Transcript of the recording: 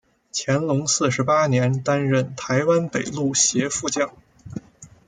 乾隆四十八年担任台湾北路协副将。